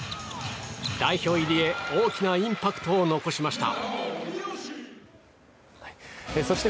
代表入りへ大きなインパクトを残しました。